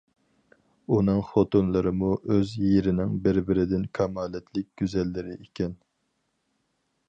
ئۇنىڭ خوتۇنلىرىمۇ ئۆز يېرىنىڭ بىر- بىرىدىن كامالەتلىك گۈزەللىرى ئىكەن.